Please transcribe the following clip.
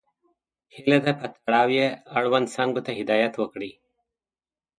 هیله ده په تړاو یې اړوند څانګو ته هدایت وکړئ.